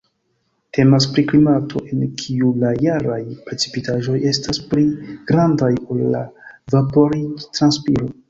Temas pri klimato, en kiu la jaraj precipitaĵoj estas pli grandaj ol la vaporiĝ-transpiro.